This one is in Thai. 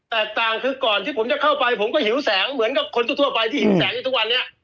แตกต่างคือก่อนที่ผมจะเข้าไปผมก็หิวแสงเหมือนกับคนทั่วไปที่หิวแสงอยู่ทุกวันนี้